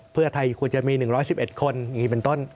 เพื่อไทยควรจะมี๑๑๑คนอย่างนี้เป็นต้น